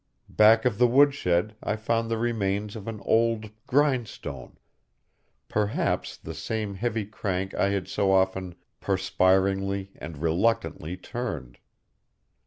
Back of the woodshed I found the remains of an old grindstone, perhaps the same heavy crank I had so often perspiringly and reluctantly turned.